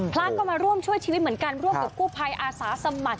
พระก็มาร่วมช่วยชีวิตเหมือนกันร่วมกับกู้ภัยอาสาสมัคร